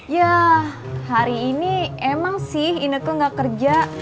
ya hari ini emang sih ineke gak kerja